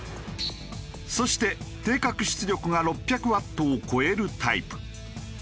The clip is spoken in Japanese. そして定格出力が６００ワットを超えるタイプ。